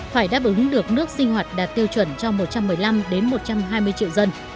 phải đáp ứng được nước sinh hoạt đạt tiêu chuẩn cho một trăm một mươi năm một trăm hai mươi triệu dân